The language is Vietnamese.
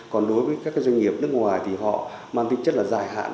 còn đối với các doanh nghiệp nước ngoài thì họ mang tích chất dài hạn